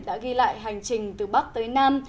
đã ghi lại hành trình từ bắc tới nam